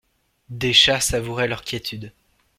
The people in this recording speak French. Des chats savouraient leur quiétude.